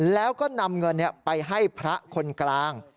แล้วก็นำเงินไปให้พระคนกลาง